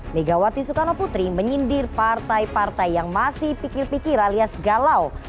megawati soekarno putri menyindir partai partai yang masih pikir pikir alias galau